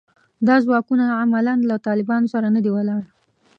دا ځواکونه عملاً له طالبانو سره نه دي ولاړ